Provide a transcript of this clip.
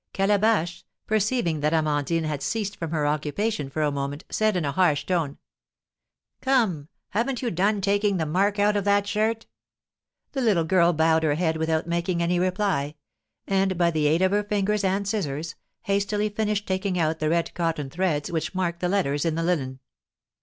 Calabash, perceiving that Amandine had ceased from her occupation for a moment, said, in a harsh tone: "Come, haven't you done taking the mark out of that shirt?" The little girl bowed her head without making any reply, and, by the aid of her fingers and scissors, hastily finished taking out the red cotton threads which marked the letters in the linen.